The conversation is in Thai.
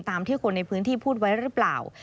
ที่คนในพื้นที่พูดไว้หรือเปล่า